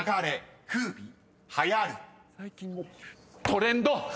「トレンド」！